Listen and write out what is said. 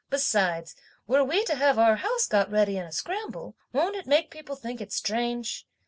Besides, were we to have our house got ready in a scramble, won't it make people think it strange?